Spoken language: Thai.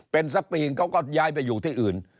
เป็นสักปีนึงเขาก็ย้ายไปอยู่ที่อื่น